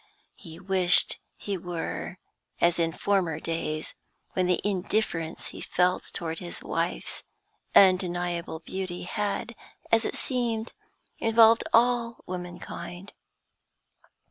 He wished he were as in former days, when the indifference he felt towards his wife's undeniable beauty had, as it seemed, involved all womankind.